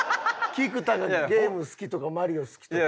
菊田がゲーム好きとか『マリオ』好きとか。